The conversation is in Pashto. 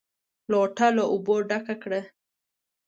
لوټه له اوبو ډکه کړه!